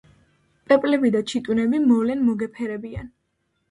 პეპლები და ჩიტუნები მოვლენ მოგეფერებიან.